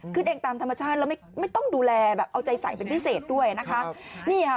ขึ้นเองตามธรรมชาติแล้วไม่ต้องดูแลแบบเอาใจใส่เป็นพิเศษด้วยนะคะ